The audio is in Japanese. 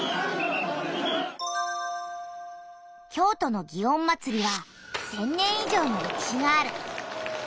京都の園祭は１，０００年以上のれきしがある。